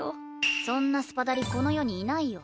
そんなスパダリこの世にいないよ。